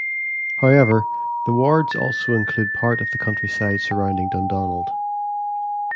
However, the wards also include part of the countryside surrounding Dundonald.